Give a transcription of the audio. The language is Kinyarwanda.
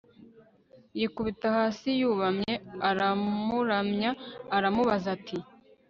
yikubita hasi yubamye aramuramya aramubaza ati